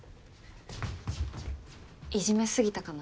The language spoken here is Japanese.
いじめすぎたかな。